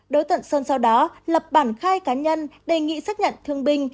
đối tượng sơn sau đó lập bản khai cá nhân đề nghị xác nhận thương binh